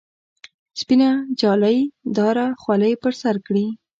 سپینه جالۍ داره خولۍ پر سر کړي.